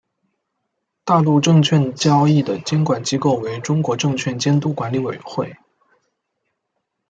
大陆证券交易的监管机构为中国证券监督管理委员会。